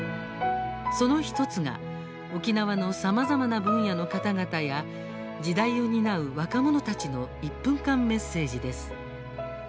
その１つが沖縄のさまざまな分野の方々や時代を担う若者たちの１分間メッセージです。